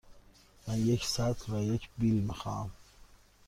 من یک سطل و یک بیل می خواهم.